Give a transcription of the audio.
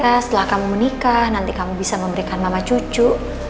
ya setelah kamu menikah nanti kamu bisa memberikan mama cucu